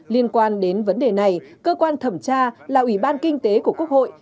liên quan đến vấn đề này cơ quan thẩm tra là ủy ban kinh tế của quốc hội